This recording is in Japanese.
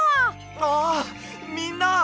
ああっみんな！